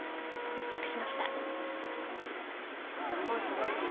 密着しました。